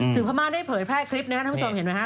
ซึ่งพม่าได้เผยแพร่คลิปท่านผู้ชมเห็นไหมคะ